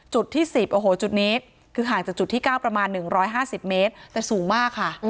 จุดที่๑๐โอ้โหจุดนี้คือห่างจากจุดที่๙ประมาณ๑๕๐เมตรแต่สูงมากค่ะ